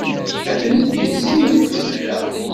Atenti zzint-d fell-aɣ.